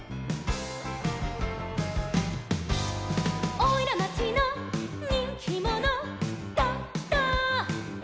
「おいらまちのにんきもの」「ドド」